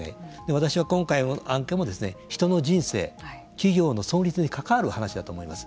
私は今回の案件も人の人生、企業の存立に関わる話だと思います。